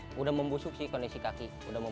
sudah membusuk kondisi kaki